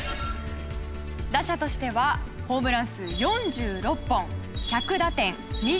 打者としてはホームラン数４６本１００打点２６